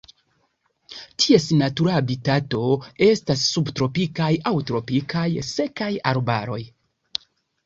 Ties natura habitato estas subtropikaj aŭ tropikaj sekaj arbaroj.